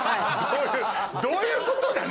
どういうことなの？